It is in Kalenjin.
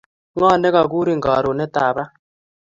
Ng'o ne kakurin karonet ap ra?